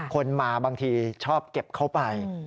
คนมาบางทีชอบเก็บเข้าไป